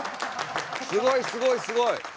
すごいすごいすごい！